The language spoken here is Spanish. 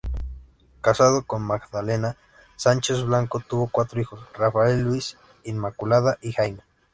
Casado con Magdalena Sánchez-Blanco, tuvo cuatro hijos: Rafael, Luis, Inmaculada y Jaime.